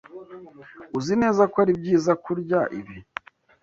Uzi neza ko ari byiza kurya ibi?